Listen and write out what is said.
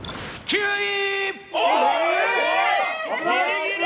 ９位！